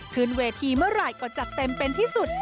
ขึ้นเวทีเมื่อไหร่ก็จัดเต็มเป็นที่สุด